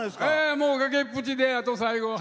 もう崖っぷちで、あと最後８